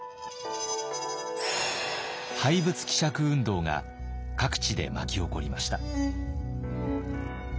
廃仏毀釈運動が各地で巻き起こりました。